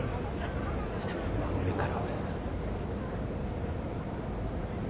真上から。